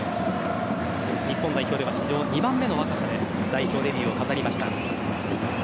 日本代表では史上２番目の若さで代表デビューを飾りました。